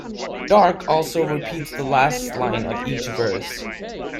Darke also repeats the last line of each verse.